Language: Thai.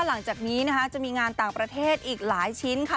หลังจากนี้นะคะจะมีงานต่างประเทศอีกหลายชิ้นค่ะ